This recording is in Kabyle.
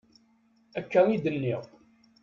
Akka i d-nniɣ.